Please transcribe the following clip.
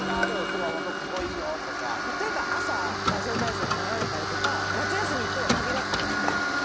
熊本、例えば朝、ラジオ体操とか流れたりとか、夏休みとかかぎらずで。